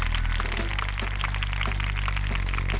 สวัสดีครับ